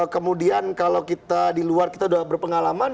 kemudian kalau kita di luar kita sudah berpengalaman